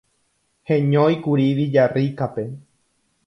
Heñóikuri Villarrica-pe